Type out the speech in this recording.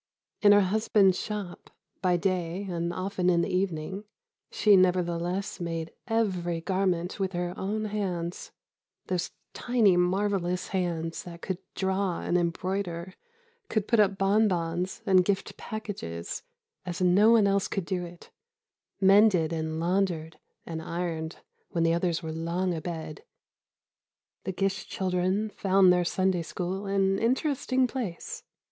In her husband's shop, by day and often in the evening, she nevertheless made every garment with her own hands—those tiny, marvelous hands that could draw and embroider, could put up bonbons, and gift packages, as no one else could do it—mended and laundered and ironed when the others were long abed. The Gish children found their Sunday School an interesting place.